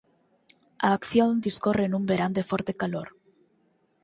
A acción discorre nun verán de forte calor.